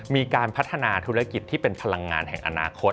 มีการพัฒนาธุรกิจที่เป็นพลังงานแห่งอนาคต